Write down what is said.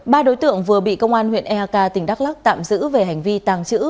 ba đối tượng vừa bị công an huyện eak tỉnh đắk lắc tạm giữ về hành vi tàng trữ